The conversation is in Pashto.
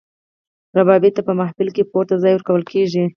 ربابي ته په محفل کې پورته ځای ورکول کیږي.